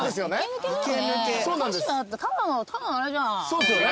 そうですよね。